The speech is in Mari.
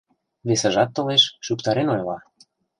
Весыжат толеш — шӱктарен ойла.